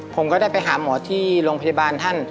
ผมก็ได้ไปหาหมอที่โรงพยาบาลท่าน